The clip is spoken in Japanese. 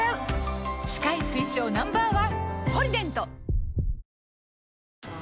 歯科医推奨 Ｎｏ．１！